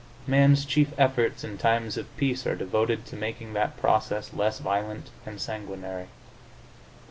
Man's chief efforts in times of peace are devoted to making that process less violent and sanguinary.